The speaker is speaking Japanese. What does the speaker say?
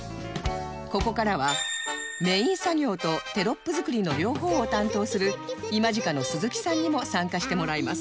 ここからはメイン作業とテロップ作りの両方を担当する ＩＭＡＧＩＣＡ の鈴木さんにも参加してもらいます